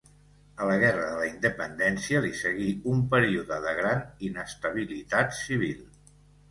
A la guerra de la Independència li seguí un període de gran inestabilitat civil.